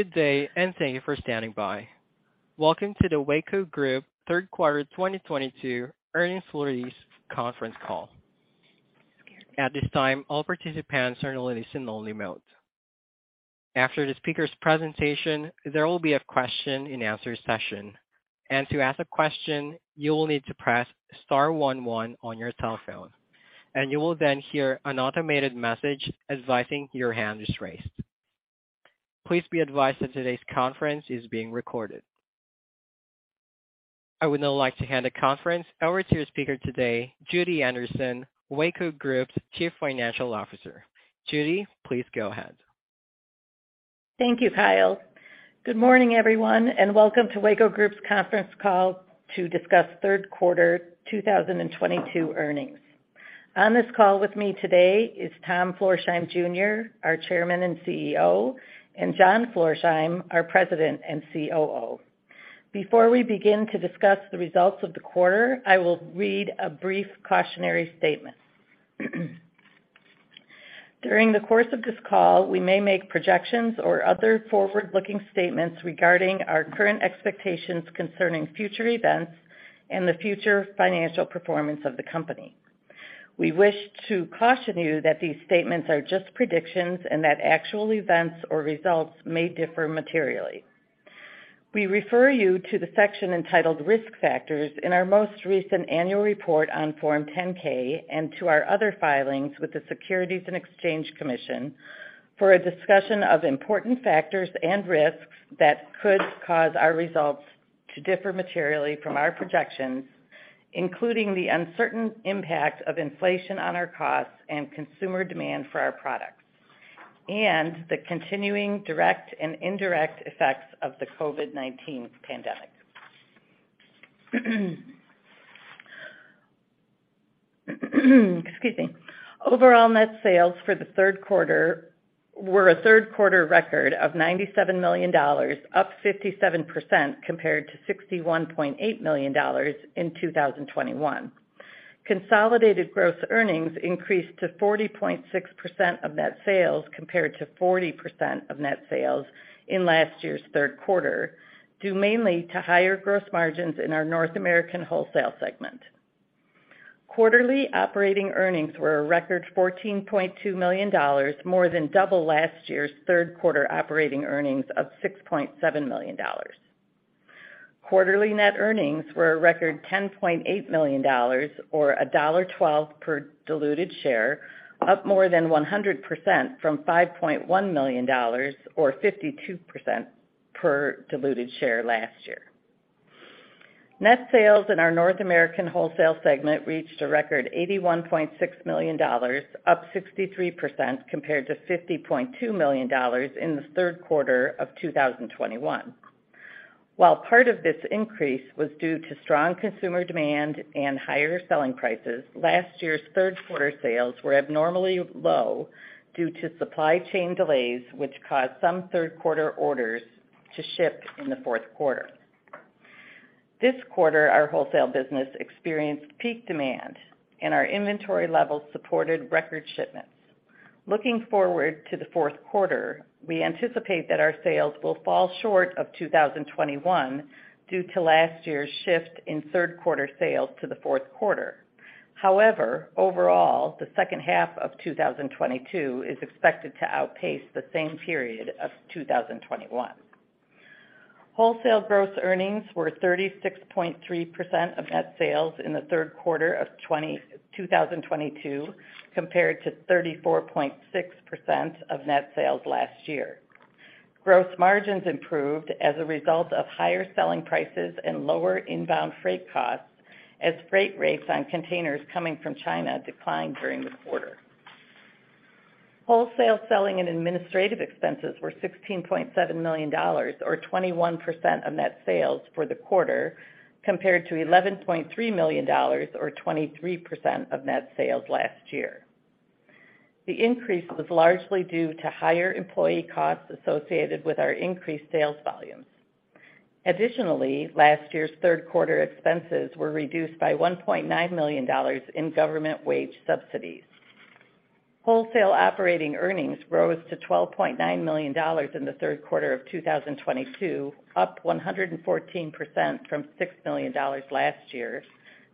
Good day, and thank you for standing by. Welcome to the Weyco Group third quarter 2022 earnings release conference call. At this time, all participants are in a listen-only mode. After the speaker's presentation, there will be a question-and-answer session. To ask a question, you will need to press star one one on your telephone, and you will then hear an automated message advising your hand is raised. Please be advised that today's conference is being recorded. I would now like to hand the conference over to your speaker today, Judy Anderson, Weyco Group's Chief Financial Officer. Judy, please go ahead. Thank you, Kyle. Good morning, everyone, and welcome to Weyco Group's conference call to discuss third quarter 2022 earnings. On this call with me today is Tom Florsheim Jr., our Chairman and CEO, and John Florsheim, our President and COO. Before we begin to discuss the results of the quarter, I will read a brief cautionary statement. During the course of this call, we may make projections or other forward-looking statements regarding our current expectations concerning future events and the future financial performance of the company. We wish to caution you that these statements are just predictions and that actual events or results may differ materially. We refer you to the section entitled Risk Factors in our most recent annual report on Form 10-K and to our other filings with the Securities and Exchange Commission for a discussion of important factors and risks that could cause our results to differ materially from our projections, including the uncertain impact of inflation on our costs and consumer demand for our products, and the continuing direct and indirect effects of the COVID-19 pandemic. Excuse me. Overall net sales for the third quarter were a third-quarter record of $97 million, up 57% compared to $61.8 million in 2021. Consolidated gross earnings increased to 40.6% of net sales compared to 40% of net sales in last year's third quarter, due mainly to higher gross margins in our North American wholesale segment. Quarterly operating earnings were a record $14.2 million, more than double last year's third-quarter operating earnings of $6.7 million. Quarterly net earnings were a record $10.8 million or $1.12 per diluted share, up more than 100% from $5.1 million or 52 cents per diluted share last year. Net sales in our North American wholesale segment reached a record $81.6 million, up 63% compared to $50.2 million in the third quarter of 2021. While part of this increase was due to strong consumer demand and higher selling prices, last year's third-quarter sales were abnormally low due to supply chain delays, which caused some third-quarter orders to ship in the fourth quarter. This quarter, our wholesale business experienced peak demand, and our inventory levels supported record shipments. Looking forward to the fourth quarter, we anticipate that our sales will fall short of 2021 due to last year's shift in third-quarter sales to the fourth quarter. However, overall, the second half of 2022 is expected to outpace the same period of 2021. Wholesale gross margins were 36.3% of net sales in the third quarter of 2022 compared to 34.6% of net sales last year. Gross margins improved as a result of higher selling prices and lower inbound freight costs as freight rates on containers coming from China declined during the quarter. Wholesale selling and administrative expenses were $16.7 million or 21% of net sales for the quarter, compared to $11.3 million or 23% of net sales last year. The increase was largely due to higher employee costs associated with our increased sales volumes. Additionally, last year's third-quarter expenses were reduced by $1.9 million in government wage subsidies. Wholesale operating earnings rose to $12.9 million in the third quarter of 2022, up 114% from $6 million last year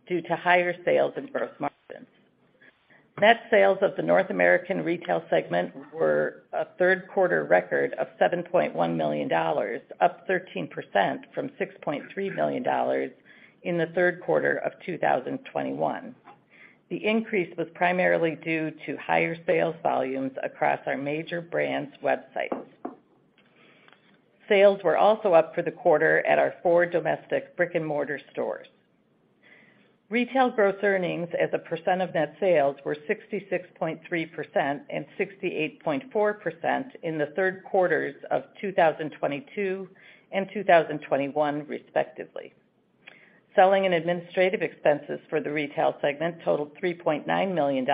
due to higher sales and gross margins. Net sales of the North American retail segment were a third-quarter record of $7.1 million, up 13% from $6.3 million in the third quarter of 2021. The increase was primarily due to higher sales volumes across our major brands' websites. Sales were also up for the quarter at our four domestic brick-and-mortar stores. Retail gross earnings as a percent of net sales were 66.3% and 68.4% in the third quarters of 2022 and 2021 respectively. Selling and administrative expenses for the retail segment totaled $3.9 million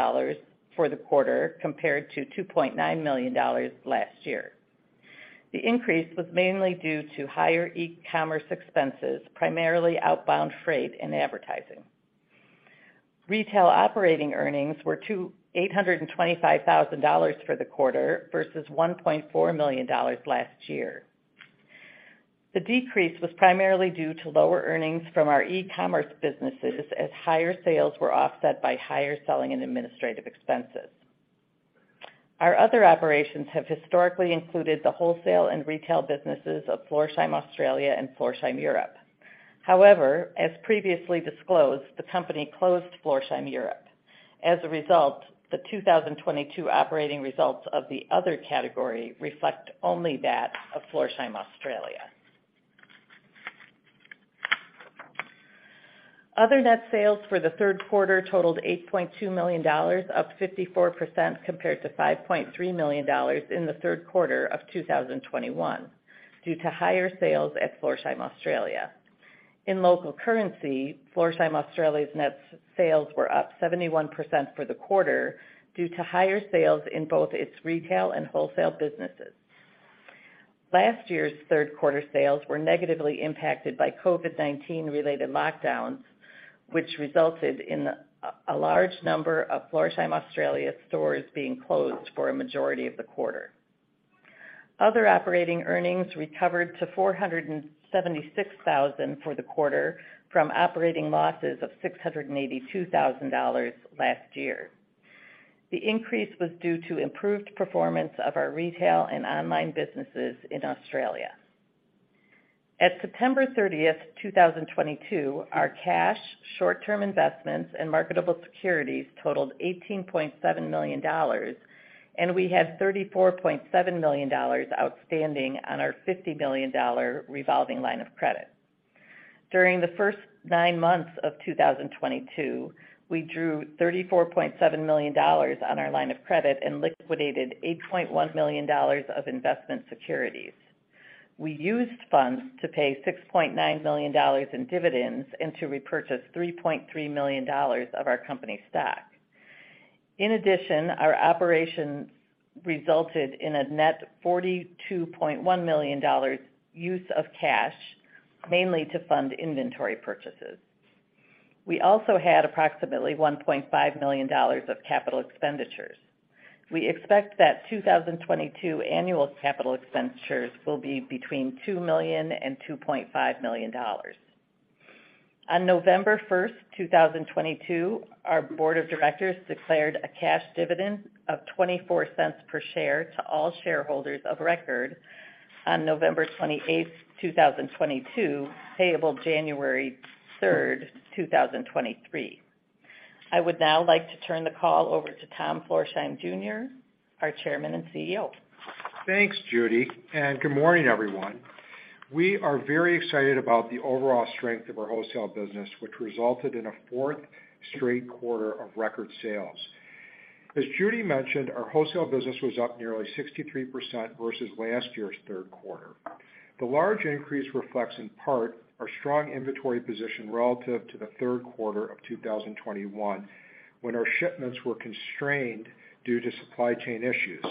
for the quarter compared to $2.9 million last year. The increase was mainly due to higher e-commerce expenses, primarily outbound freight and advertising. Retail operating earnings were $825,000 for the quarter versus $1.4 million last year. The decrease was primarily due to lower earnings from our e-commerce businesses as higher sales were offset by higher selling and administrative expenses. Our other operations have historically included the wholesale and retail businesses of Florsheim Australia and Florsheim Europe. However, as previously disclosed, the company closed Florsheim Europe. As a result, the 2022 operating results of the other category reflect only that of Florsheim Australia. Other net sales for the third quarter totaled $8.2 million, up 54% compared to $5.3 million in the third quarter of 2021 due to higher sales at Florsheim Australia. In local currency, Florsheim Australia's net sales were up 71% for the quarter due to higher sales in both its retail and wholesale businesses. Last year's third quarter sales were negatively impacted by COVID-19 related lockdowns, which resulted in a large number of Florsheim Australia stores being closed for a majority of the quarter. Other operating earnings recovered to $476,000 for the quarter from operating losses of $682,000 last year. The increase was due to improved performance of our retail and online businesses in Australia. At September 30, 2022, our cash, short-term investments, and marketable securities totaled $18.7 million, and we had $34.7 million outstanding on our $50 million revolving line of credit. During the first 9 months of 2022, we drew $34.7 million on our line of credit and liquidated $8.1 million of investment securities. We used funds to pay $6.9 million in dividends and to repurchase $3.3 million of our company stock. In addition, our operations resulted in a net $42.1 million use of cash, mainly to fund inventory purchases. We also had approximately $1.5 million of capital expenditures. We expect that 2022 annual capital expenditures will be between $2 million and $2.5 million. On November 1, 2022, our board of directors declared a cash dividend of $0.24 per share to all shareholders of record on November 28, 2022, payable January 3, 2023. I would now like to turn the call over to Tom Florsheim, Jr., our Chairman and CEO. Thanks, Judy, and good morning, everyone. We are very excited about the overall strength of our wholesale business, which resulted in a fourth straight quarter of record sales. As Judy mentioned, our wholesale business was up nearly 63% versus last year's third quarter. The large increase reflects, in part, our strong inventory position relative to the third quarter of 2021, when our shipments were constrained due to supply chain issues.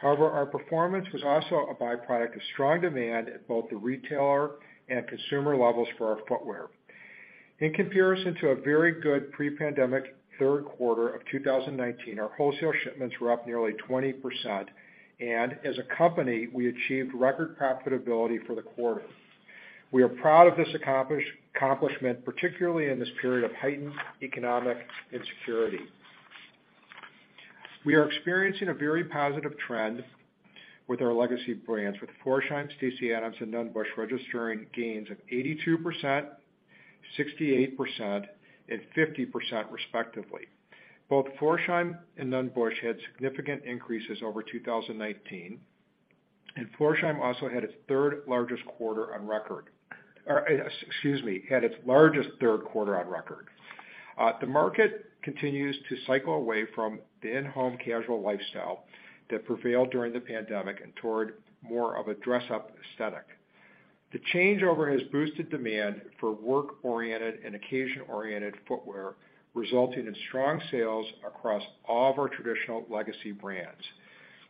However, our performance was also a byproduct of strong demand at both the retailer and consumer levels for our footwear. In comparison to a very good pre-pandemic third quarter of 2019, our wholesale shipments were up nearly 20%, and as a company, we achieved record profitability for the quarter. We are proud of this accomplishment, particularly in this period of heightened economic insecurity. We are experiencing a very positive trend with our legacy brands, with Florsheim, Stacy Adams, and Nunn Bush registering gains of 82%, 68%, and 50% respectively. Both Florsheim and Nunn Bush had significant increases over 2019, and Florsheim also had its largest third quarter on record. The market continues to cycle away from the in-home casual lifestyle that prevailed during the pandemic and toward more of a dress-up aesthetic. The changeover has boosted demand for work-oriented and occasion-oriented footwear, resulting in strong sales across all of our traditional legacy brands.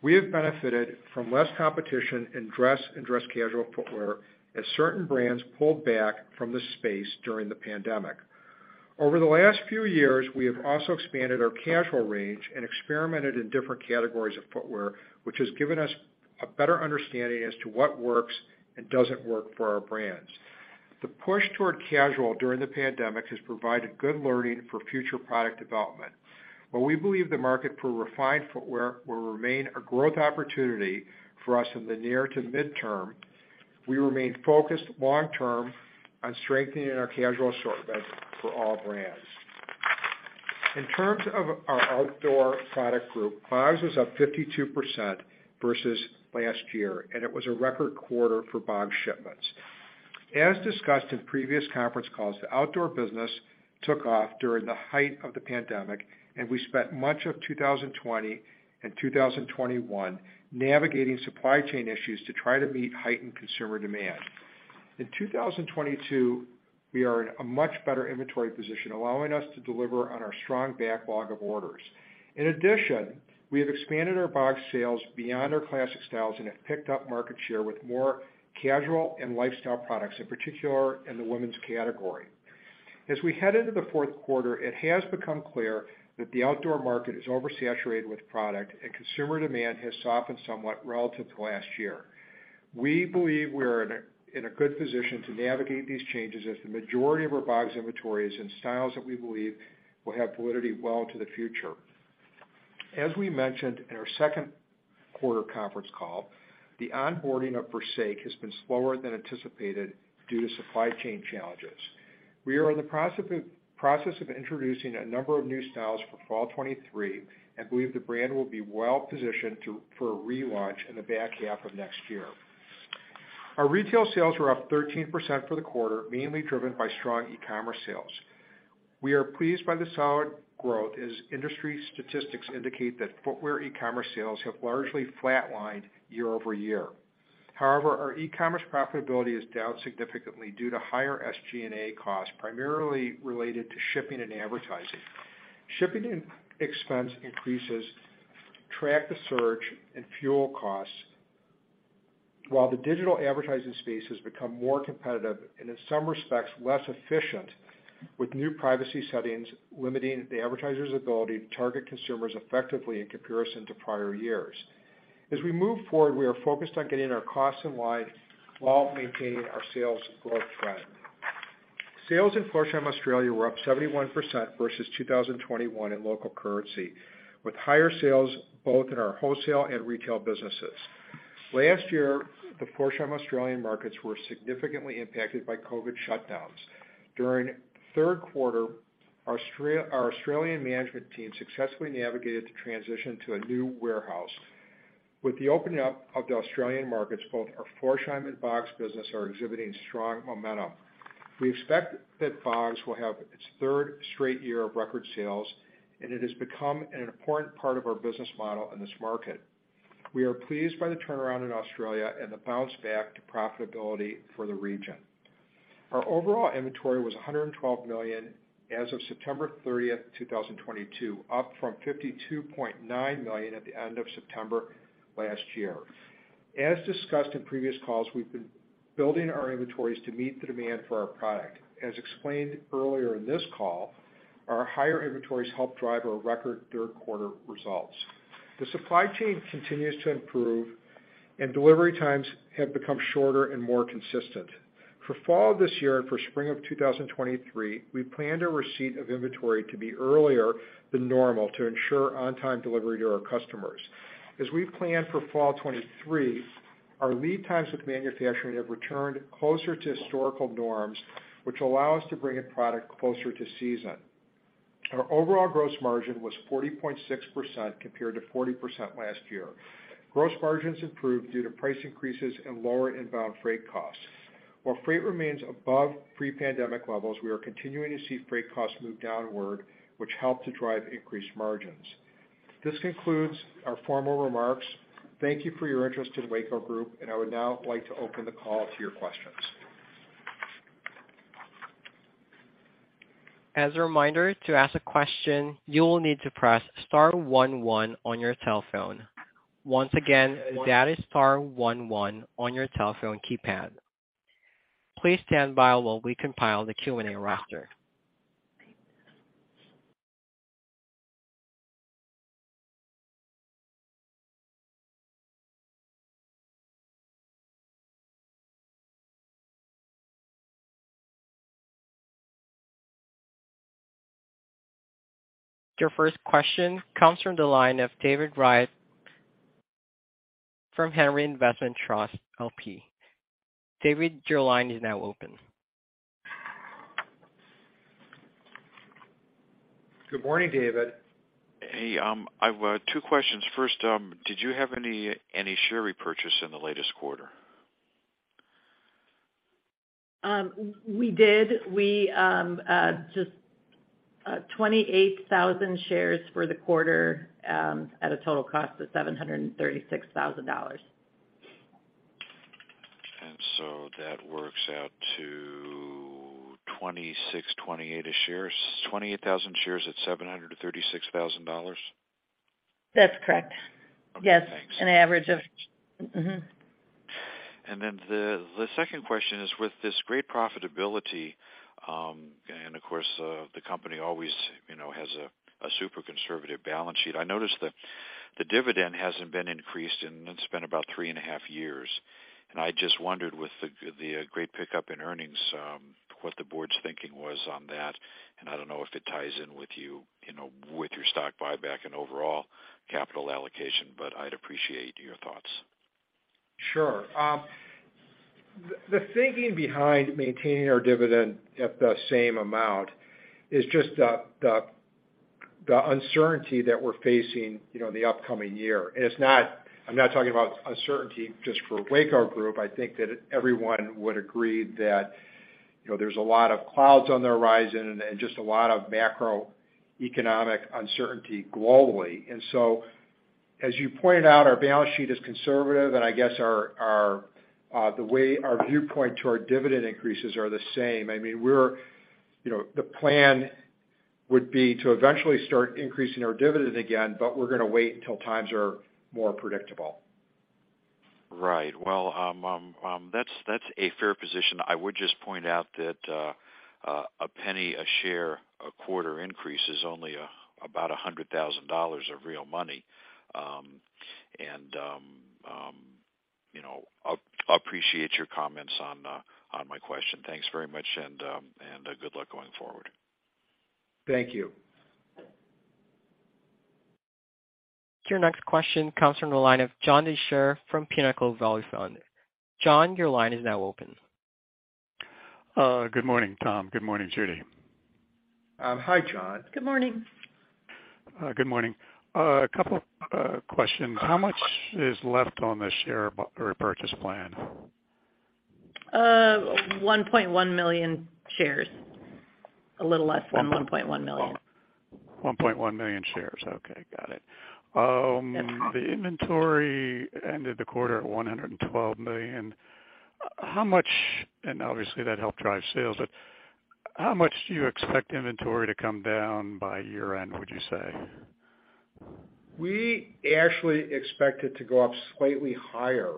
We have benefited from less competition in dress and dress casual footwear as certain brands pulled back from the space during the pandemic. Over the last few years, we have also expanded our casual range and experimented in different categories of footwear, which has given us a better understanding as to what works and doesn't work for our brands. The push toward casual during the pandemic has provided good learning for future product development. While we believe the market for refined footwear will remain a growth opportunity for us in the near to midterm, we remain focused long-term on strengthening our casual assortment for all brands. In terms of our outdoor product group, Bogs was up 52% versus last year, and it was a record quarter for Bogs shipments. As discussed in previous conference calls, the outdoor business took off during the height of the pandemic, and we spent much of 2020 and 2021 navigating supply chain issues to try to meet heightened consumer demand. In 2022, we are in a much better inventory position, allowing us to deliver on our strong backlog of orders. In addition, we have expanded our Bogs sales beyond our classic styles and have picked up market share with more casual and lifestyle products, in particular in the women's category. As we head into the fourth quarter, it has become clear that the outdoor market is oversaturated with product and consumer demand has softened somewhat relative to last year. We believe we're in a good position to navigate these changes as the majority of our Bogs inventories and styles that we believe will have validity well into the future. As we mentioned in our second quarter conference call, the onboarding of Forsake has been slower than anticipated due to supply chain challenges. We are in the process of introducing a number of new styles for fall 2023 and believe the brand will be well positioned for a relaunch in the back half of next year. Our retail sales were up 13% for the quarter, mainly driven by strong e-commerce sales. We are pleased by the solid growth as industry statistics indicate that footwear e-commerce sales have largely flatlined year-over-year. However, our e-commerce profitability is down significantly due to higher SG&A costs, primarily related to shipping and advertising. Shipping expense increases track the surcharge and fuel costs, while the digital advertising space has become more competitive and in some respects, less efficient with new privacy settings limiting the advertiser's ability to target consumers effectively in comparison to prior years. As we move forward, we are focused on getting our costs in line while maintaining our sales growth trend. Sales in Florsheim Australia were up 71% versus 2021 in local currency, with higher sales both in our wholesale and retail businesses. Last year, the Florsheim Australian markets were significantly impacted by COVID shutdowns. During third quarter, our Australian management team successfully navigated the transition to a new warehouse. With the opening up of the Australian markets, both our Florsheim and Bogs business are exhibiting strong momentum. We expect that Bogs will have its third straight year of record sales, and it has become an important part of our business model in this market. We are pleased by the turnaround in Australia and the bounce back to profitability for the region. Our overall inventory was $112 million as of September 30, 2022, up from $52.9 million at the end of September last year. As discussed in previous calls, we've been building our inventories to meet the demand for our product. As explained earlier in this call, our higher inventories help drive our record third quarter results. The supply chain continues to improve, and delivery times have become shorter and more consistent. For fall this year and for spring of 2023, we planned our receipt of inventory to be earlier than normal to ensure on-time delivery to our customers. As we plan for fall 2023, our lead times with manufacturing have returned closer to historical norms, which allow us to bring a product closer to season. Our overall gross margin was 40.6% compared to 40% last year. Gross margins improved due to price increases and lower inbound freight costs. While freight remains above pre-pandemic levels, we are continuing to see freight costs move downward, which help to drive increased margins. This concludes our formal remarks. Thank you for your interest in Weyco Group, and I would now like to open the call to your questions. As a reminder, to ask a question, you will need to press star one one on your telephone. Once again, that is star one one on your telephone keypad. Please stand by while we compile the Q&A roster. Your first question comes from the line of David Wright from Henry Investment Trust, LP. David, your line is now open. Good morning, David. Hey, I've 2 questions. First, did you have any share repurchase in the latest quarter? We did. We just 28,000 shares for the quarter at a total cost of $736,000. That works out to 26-28 a share. 28,000 shares at $736,000? That's correct. Okay, thanks. Yes, an average of. Mm-hmm. Then the second question is with this great profitability, and of course, the company always, you know, has a super conservative balance sheet. I noticed the dividend hasn't been increased, and it's been about three and a half years. I just wondered with the great pickup in earnings, what the board's thinking was on that. I don't know if it ties in with you know, with your stock buyback and overall capital allocation, but I'd appreciate your thoughts. Sure. The thinking behind maintaining our dividend at the same amount is just the uncertainty that we're facing, you know, in the upcoming year. It's not—I'm not talking about uncertainty just for Weyco Group. I think that everyone would agree that, you know, there's a lot of clouds on the horizon and just a lot of macroeconomic uncertainty globally. As you pointed out, our balance sheet is conservative, and I guess the way our viewpoint to our dividend increases are the same. I mean, we're, you know, the plan would be to eventually start increasing our dividend again, but we're gonna wait until times are more predictable. Right. Well, that's a fair position. I would just point out that a penny a share, a quarter increase is only about $100,000 of real money. You know, appreciate your comments on my question. Thanks very much and good luck going forward. Thank you. Your next question comes from the line of John Deysher from Pinnacle Value Fund. John, your line is now open. Good morning, Tom. Good morning, Judy. Hi, John. Good morning. Good morning. A couple questions. How much is left on the share repurchase plan? 1.1 million shares. A little less than 1.1 million. 1.1 million shares. Okay. Got it. The inventory ended the quarter at $112 million. Obviously that helped drive sales, but how much do you expect inventory to come down by year-end, would you say? We actually expect it to go up slightly higher,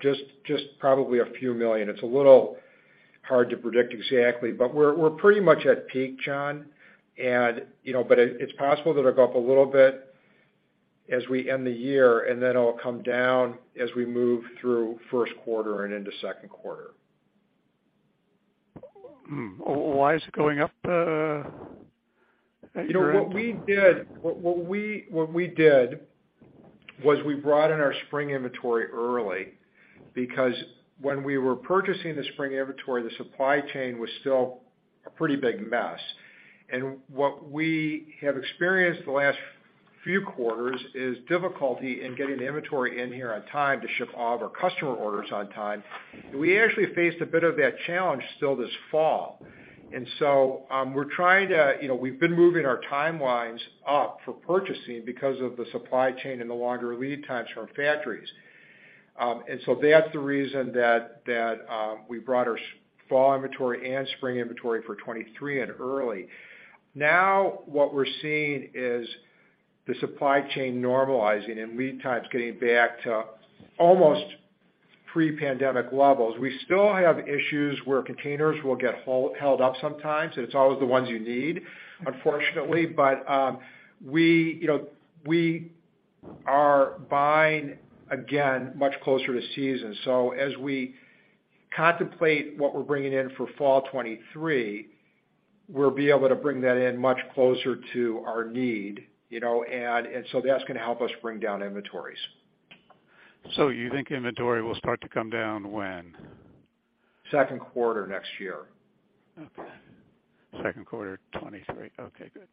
just probably a few million. It's a little hard to predict exactly, but we're pretty much at peak, John. You know, but it's possible that it'll go up a little bit as we end the year, and then it'll come down as we move through first quarter and into second quarter. Why is it going up at year end? You know, what we did was we brought in our spring inventory early because when we were purchasing the spring inventory, the supply chain was still a pretty big mess. What we have experienced the last few quarters is difficulty in getting the inventory in here on time to ship all of our customer orders on time. We actually faced a bit of that challenge still this fall. We're trying to, you know, we've been moving our timelines up for purchasing because of the supply chain and the longer lead times from our factories. That's the reason that we brought our fall inventory and spring inventory for 2023 in early. Now, what we're seeing is the supply chain normalizing and lead times getting back to almost pre-pandemic levels. We still have issues where containers will get held up sometimes, and it's always the ones you need, unfortunately. We, you know, we are buying again much closer to season. As we contemplate what we're bringing in for fall 2023, we'll be able to bring that in much closer to our need, you know, and so that's gonna help us bring down inventories. You think inventory will start to come down when? Second quarter next year. Okay. Second quarter 2023. Okay, good.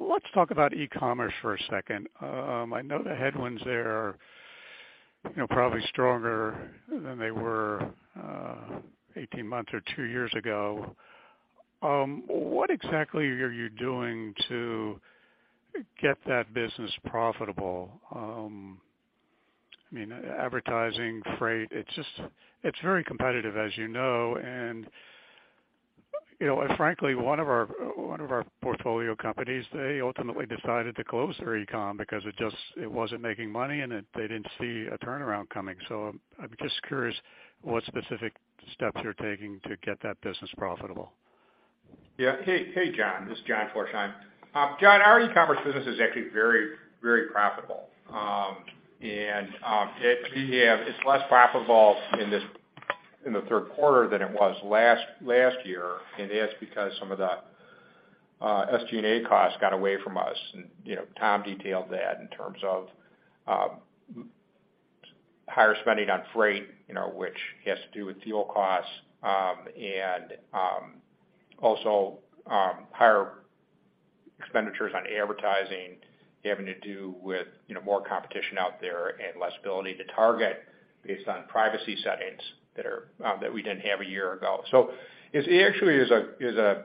Let's talk about e-commerce for a second. I know the headwinds there are, you know, probably stronger than they were 18 months or 2 years ago. What exactly are you doing to get that business profitable? I mean, advertising, freight, it's just, it's very competitive, as you know. You know, frankly, one of our portfolio companies, they ultimately decided to close their e-com because it just wasn't making money and it, they didn't see a turnaround coming. I'm just curious what specific steps you're taking to get that business profitable. Hey, John, this is John Florsheim. John, our e-commerce business is actually very profitable. It's less profitable in this third quarter than it was last year. That's because some of the SG&A costs got away from us. You know, Tom detailed that in terms of higher spending on freight, you know, which has to do with fuel costs, and also higher expenditures on advertising having to do with more competition out there and less ability to target based on privacy settings that we didn't have a year ago. It's actually a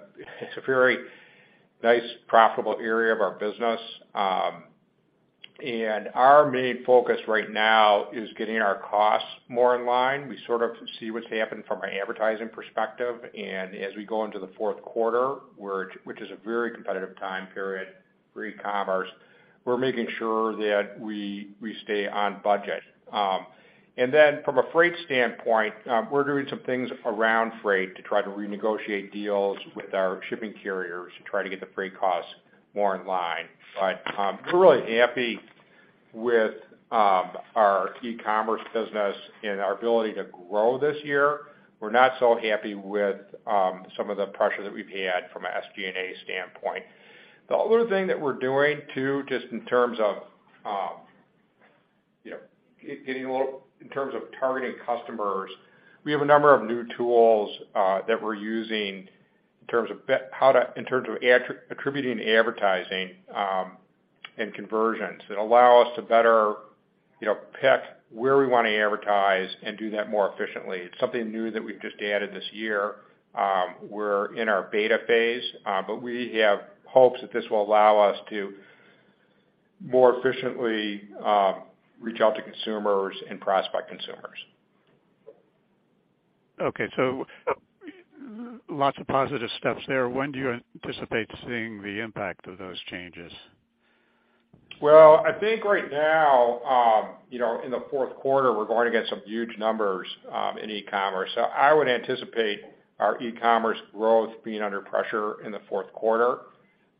very nice profitable area of our business. Our main focus right now is getting our costs more in line. We sort of see what's happened from an advertising perspective. As we go into the fourth quarter, which is a very competitive time period for e-commerce, we're making sure that we stay on budget. From a freight standpoint, we're doing some things around freight to try to renegotiate deals with our shipping carriers to try to get the freight costs more in line. We're really happy with our e-commerce business and our ability to grow this year. We're not so happy with some of the pressure that we've had from an SG&A standpoint. The other thing that we're doing, too, just in terms of, you know, in terms of targeting customers, we have a number of new tools that we're using in terms of attributing advertising and conversions. It'll allow us to better, you know, pick where we wanna advertise and do that more efficiently. It's something new that we've just added this year. We're in our beta phase, but we have hopes that this will allow us to more efficiently reach out to consumers and prospective consumers. Okay. Lots of positive steps there. When do you anticipate seeing the impact of those changes? Well, I think right now, you know, in the fourth quarter, we're going against some huge numbers in e-commerce. I would anticipate our e-commerce growth being under pressure in the fourth quarter.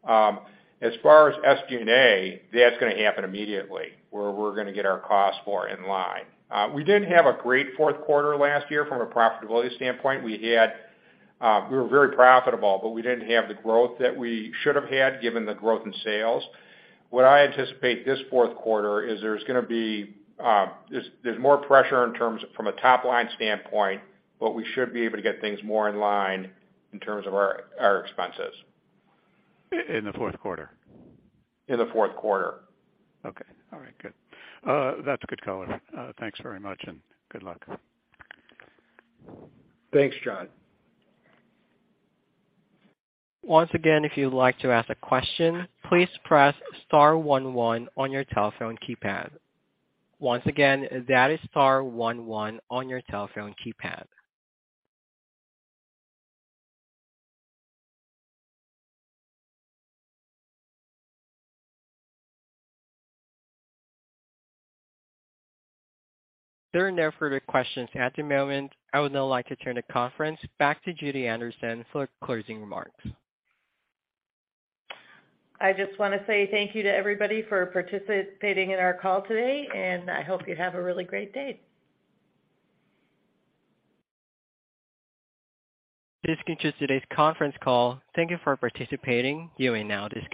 As far as SG&A, that's gonna happen immediately, where we're gonna get our costs more in line. We didn't have a great fourth quarter last year from a profitability standpoint. We had, we were very profitable, but we didn't have the growth that we should have had given the growth in sales. What I anticipate this fourth quarter is there's gonna be, there's more pressure in terms from a top-line standpoint, but we should be able to get things more in line in terms of our expenses. In the fourth quarter? In the fourth quarter. Okay. All right, good. That's a good call. Thanks very much, and good luck. Thanks, John. Once again, if you'd like to ask a question, please press star one one on your telephone keypad. Once again, that is star one one on your telephone keypad. There are no further questions at the moment. I would now like to turn the conference back to Judy Anderson for closing remarks. I just wanna say thank you to everybody for participating in our call today, and I hope you have a really great day. This concludes today's conference call. Thank you for participating. You may now disconnect.